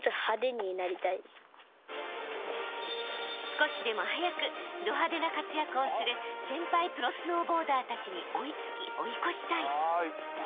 ［少しでも早くド派手な活躍をする先輩プロスノーボーダーたちに追い付き追い越したい］